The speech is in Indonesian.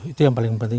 itu yang paling penting